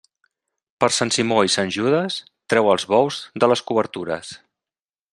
Per Sant Simó i Sant Judes, treu els bous de les cobertures.